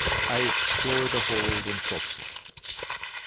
I EXPLORE THE HOLD AND FORECASTLE.